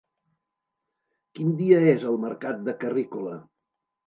Quin dia és el mercat de Carrícola?